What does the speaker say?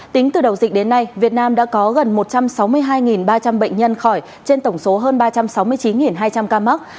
tính từ đầu dịch đến nay việt nam đã có gần một trăm sáu mươi hai ba trăm linh bệnh nhân khỏi trên tổng số hơn ba trăm sáu mươi chín hai trăm linh ca mắc